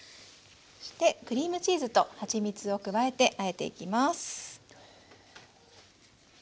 そしてクリームチーズとはちみちを加えてあえていきます。